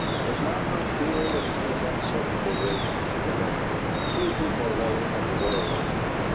There is not much here that one is in sympathy with, intellectually few people really of the world."